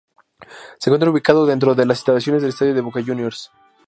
Se encuentra ubicado dentro de las instalaciones del estadio de Boca Juniors.